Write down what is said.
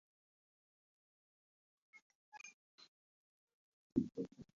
Tesiaren helburua ondare historikoko materialak babesteko graffitien kontrako produktu berri bat garatzea da.